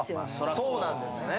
そうなんですね。